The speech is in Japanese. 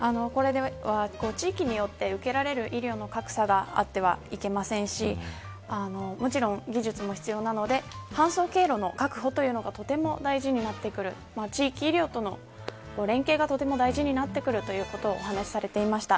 地域によって受けられる医療の格差があってはいけませんしもちろん、技術も必要なので搬送経路の確保がとても大事になってくる地域医療との連携がとても大事になってくるということを話されていました。